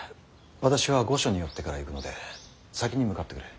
私は御所に寄ってから行くので先に向かってくれ。